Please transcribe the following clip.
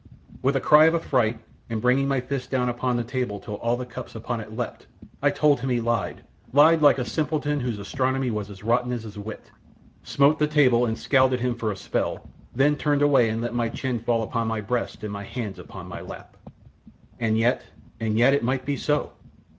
With a cry of affright, and bringing my fist down on the table till all the cups upon it leapt, I told him he lied lied like a simpleton whose astronomy was as rotten as his wit smote the table and scowled at him for a spell, then turned away and let my chin fall upon my breast and my hands upon my lap. And yet, and yet, it might be so!